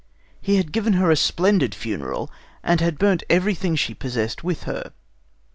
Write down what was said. He had given her a splendid funeral, and had burnt everything she possessed with her.